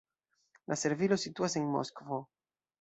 La servilo situas en Moskvo.